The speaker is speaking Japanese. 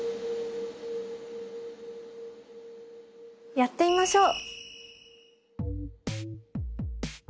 やってみましょう。